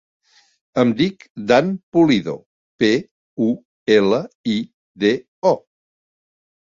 Em dic Dan Pulido: pe, u, ela, i, de, o.